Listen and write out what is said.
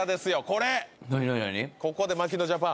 これここで槙野ジャパン！